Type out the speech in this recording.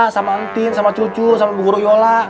sama antin sama cucu sama bu guru yola